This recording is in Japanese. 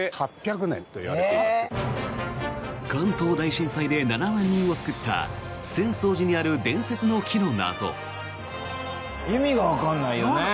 関東大震災で７万人を救った浅草寺にある伝説の木の謎。